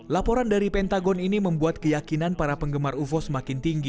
laporan dari pentagon ini membuat keyakinan para penggemar ufo semakin tinggi